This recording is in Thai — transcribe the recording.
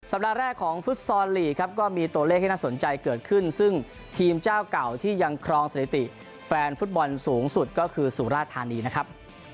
แรกของฟุตซอลลีกครับก็มีตัวเลขที่น่าสนใจเกิดขึ้นซึ่งทีมเจ้าเก่าที่ยังครองสถิติแฟนฟุตบอลสูงสุดก็คือสุราธานีนะครับ